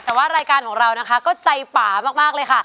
แต่ว่ารายการของเรานะคะก็ใจป่ามากเลยค่ะ